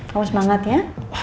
kamu semangat ya